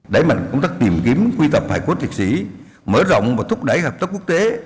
đẩy mạnh công tác tìm kiếm quy tập hải quốc liệt sĩ mở rộng và thúc đẩy hợp tác quốc tế